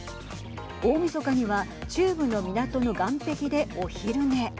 大みそかには中部の港の岸壁でお昼寝。